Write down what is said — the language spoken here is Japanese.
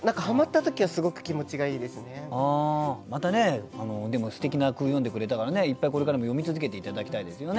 楽しいです何かまたねでもすてきな句詠んでくれたからねいっぱいこれからも詠み続けて頂きたいですよね。